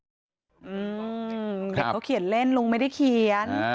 เด็กเขาเขียนเล่นลุงไม่ได้เขียน